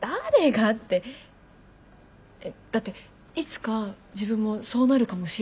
だっていつか自分もそうなるかもしれないわけで。